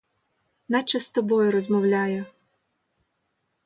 Наче з тобою розмовляє.